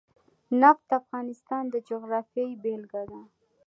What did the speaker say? نفت د افغانستان د جغرافیې بېلګه ده.